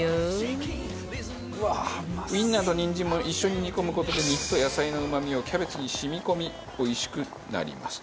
ウィンナーとニンジンも一緒に煮込む事で肉と野菜のうまみをキャベツに染み込みおいしくなりますと。